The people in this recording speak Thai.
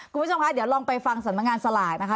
คุณผู้ชมคะเดี๋ยวลองไปฟังสำนักงานสลากนะคะ